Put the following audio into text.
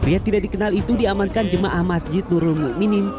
pria tidak dikenal itu diamankan jemaah masjid nurul mu'minin